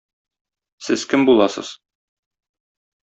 Сез кем буласыз?